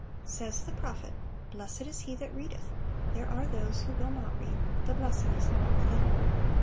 (571) Says the prophet: "Blessed is he that readeth"—there are those who will not read; the blessing is not for them.